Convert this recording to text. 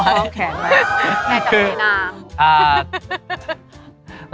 จับมือนาง